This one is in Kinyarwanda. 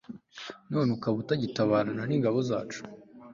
none ukaba utagitabarana n'ingabo zacu